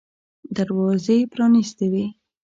دروازې پرانیستې وې.